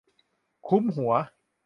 คุ้ม หัว